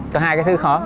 có hai cái thứ khó